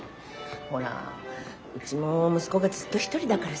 ほらうちも息子がずっと一人だからさぁ。